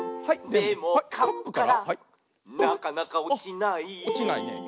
「でもカップからなかなかおちない」